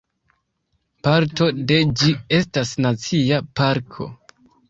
Parto de ĝi estas nacia parko.